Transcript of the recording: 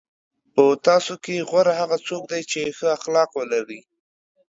په تاسو کې غوره هغه څوک دی چې ښه اخلاق ولري.